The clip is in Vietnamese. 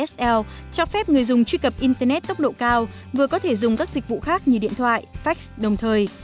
sl cho phép người dùng truy cập internet tốc độ cao vừa có thể dùng các dịch vụ khác như điện thoại fax đồng thời